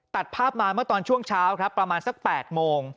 ตัดภาพมาเมื่อตอนช่วงเช้าครับประมาณสัก๘โมง